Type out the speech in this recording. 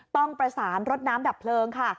ต้องประสานรถน้ำดับเพลิงค่ะ